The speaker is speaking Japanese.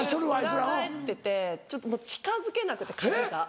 裏返っててちょっともう近づけなくて鍵が。